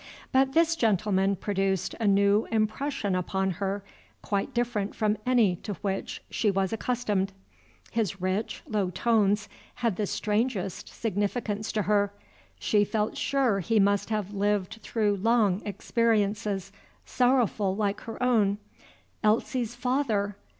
But this gentleman produced a new impression upon her, quite different from any to which she was accustomed. His rich, low tones had the strangest significance to her; she felt sure he must have lived through long experiences, sorrowful like her own. Elsie's father!